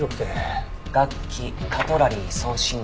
楽器カトラリー装身具